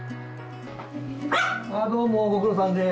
どうもご苦労さんです。